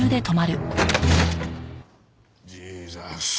ジーザス！